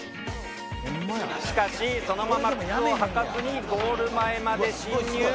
しかしそのまま靴を履かずにゴール前まで進入。